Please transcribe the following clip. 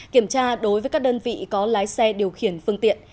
kiểm tra đối với các đơn vị có lái xe điều khiển phương tiện